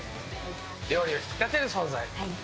料理を引き立てる存在。